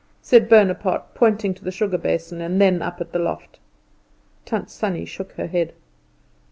said Bonaparte, pointing to the sugar basin and then up at the loft. Tant Sannie shook her head.